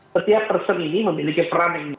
setiap person ini memiliki peran yang luas